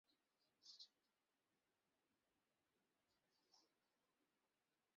এই কাজের জন্য তিনি শ্রেষ্ঠ চলচ্চিত্র পরিচালক বিভাগে মেরিল-প্রথম আলো সমালোচক পুরস্কারের মনোনয়ন লাভ করেন।